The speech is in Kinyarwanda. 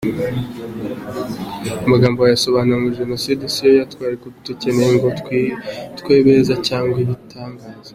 Aya magambo wayasobanura ngo: jenocide siyo twari dukeneye ngo twitwe beza cyangwa ibitangaza.